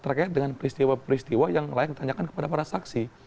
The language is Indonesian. terkait dengan peristiwa peristiwa yang layak ditanyakan kepada para saksi